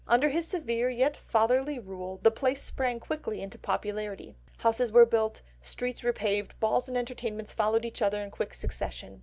Under his severe, yet fatherly rule, the place sprang quickly into popularity. Houses were built, streets repaved, balls and entertainments followed each other in quick succession.